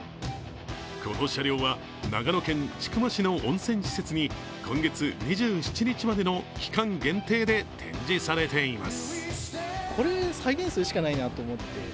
この車両は長野県千曲市の温泉施設に今月２７日までの期間限定で展示されています。